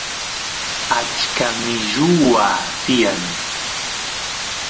achka milluwa tiyan